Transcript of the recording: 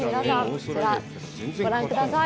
こちら、ご覧ください。